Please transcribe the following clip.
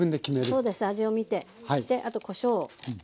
そうです味をみてあとこしょうを。